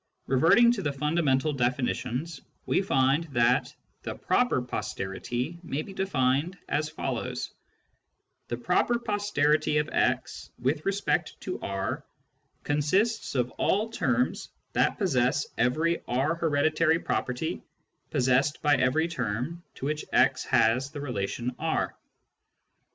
Reverting to the fundamental definitions, we find that the " proper posterity " may be defined as follows :— The " proper posterity " of x with respect to R consists of all terms that possess every R hereditary property possessed by every term to which x has the relation R.